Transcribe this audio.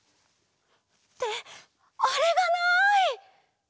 ってあれがない！